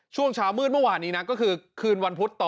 ช่วงเช้ามืดเมื่อวานนี้นะก็คือคืนวันพุธต่อ